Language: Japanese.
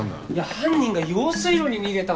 犯人が用水路に逃げたんっすよ。